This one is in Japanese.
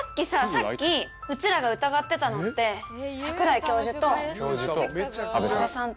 さっきうちらが疑ってたのって桜井教授と安部さんと。